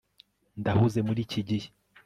ndahuze muri iki gihe